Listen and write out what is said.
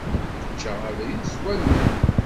Yečča abrid s wallen.